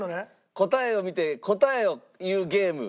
答えを見て答えを言うゲームスタートです。